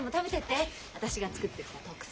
私が作ってきた特製。